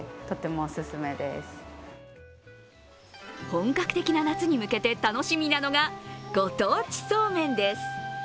本格的な夏に向けて楽しみなのがご当地そうめんです。